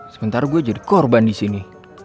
sementara gua jadi korban di sini